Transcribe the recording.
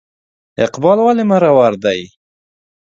اقبال ولې مرور دی ؟